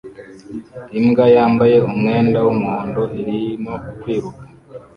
Imbwa yambaye umwenda wumuhondo irimo kwiruka